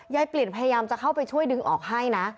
เปลี่ยนพยายามจะเข้าไปช่วยดึงออกให้นะ